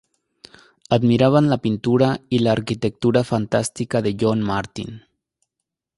Admiraban la pintura y la arquitectura fantástica de John Martin.